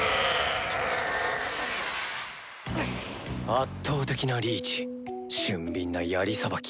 圧倒的なリーチ俊敏な槍さばき。